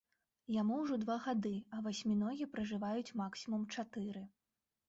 Яму ўжо два гады, а васьміногі пражываюць максімум чатыры.